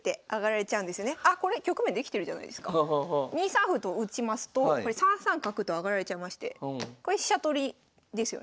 ２三歩と打ちますとこれ３三角と上がられちゃいましてこれ飛車取りですよね。